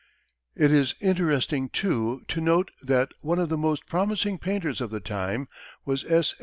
It is interesting, too, to note that one of the most promising painters of the time was S.